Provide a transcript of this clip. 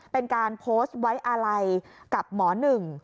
เป็นการโพสต์ไว้อะไรกับหมอหนึ่ง